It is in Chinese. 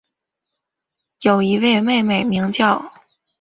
有一位妹妹名叫。